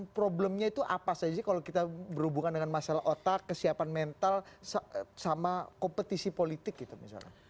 problemnya itu apa saja kalau kita berhubungan dengan masalah otak kesiapan mental sama kompetisi politik gitu misalnya